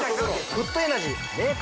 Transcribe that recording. フットエナジー